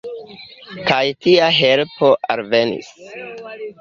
Kaj tia helpo alvenis.